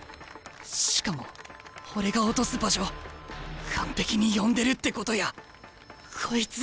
しかも俺が落とす場所完璧に読んでるってことやこいつ！